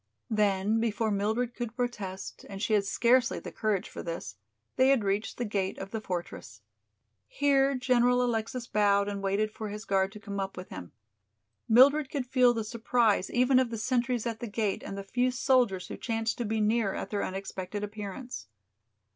Then before Mildred could protest, and she had scarcely the courage for this, they had reached the gate of the fortress. Here General Alexis bowed and waited for his guard to come up with him. Mildred could feel the surprise even of the sentries at the gate and the few soldiers who chanced to be near at their unexpected appearance.